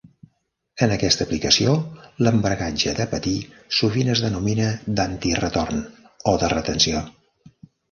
En aquesta aplicació, l'embragatge de patí sovint es denomina "d'antiretorn" o de "retenció".